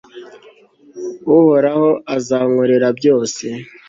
uhoraho azankorera byose